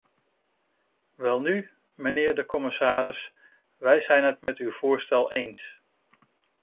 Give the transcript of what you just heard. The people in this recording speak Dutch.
Welnu, mijnheer de commissaris, wij zijn het met uw voorstel eens.